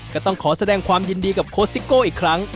ก็ต้องขอแสดงความยินดีกับโค้ชซิโก้อีกครั้ง